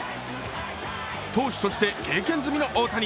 投手として経験済みの大谷。